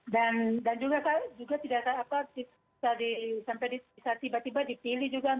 dan juga tidak sampai tiba tiba dipilih juga